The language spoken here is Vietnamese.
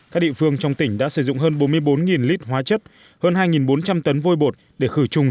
các địa phương trong tỉnh đã sử dụng hơn bốn mươi bốn lít hóa chất hơn hai bốn trăm linh tấn vôi bột để khử trùng